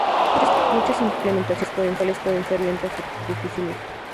Muchas implementaciones actuales pueden ser lentas o de difícil uso.